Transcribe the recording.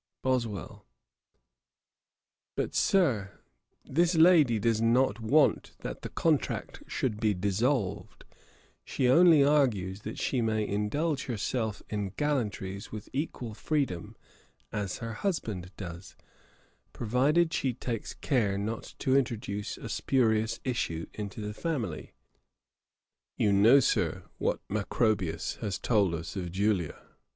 BOSWELL. 'But, Sir, this lady does not want that the contract should be dissolved; she only argues that she may indulge herself in gallantries with equal freedom as her husband does, provided she takes care not to introduce a spurious issue into his family. You know, Sir, what Macrobius has told us of Julia.